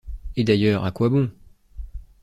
Et, d’ailleurs, à quoi bon?